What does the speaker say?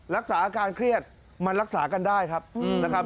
รักษาอาการเครียดมันรักษากันได้ครับนะครับ